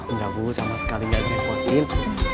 enggak bu sama sekali gak ngerepotin